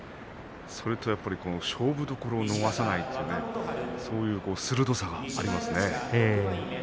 それと勝負どころを逃さないそういう鋭さがありますね。